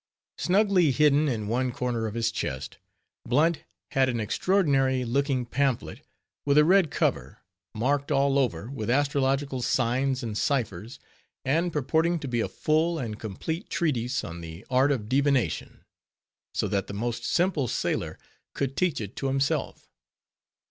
Snugly hidden in one corner of his chest, Blunt had an extraordinary looking pamphlet, with a red cover, marked all over with astrological signs and ciphers, and purporting to be a full and complete treatise on the art of Divination; so that the most simple sailor could teach it to himself.